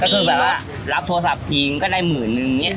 ก็คือแบบรับโทรศัพท์จริงก็ได้หมื่นนึงเนี่ย